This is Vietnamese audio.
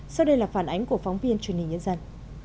sau đây là phản ánh của phóng viên truyền hình nhân dân